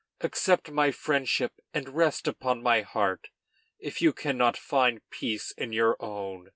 Accept my friendship, and rest upon my heart, if you cannot find peace in your own."